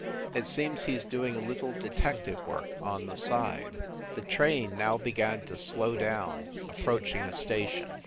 "It seems he s doing a little detective work, on the side." The train now began to slow down, approaching a station.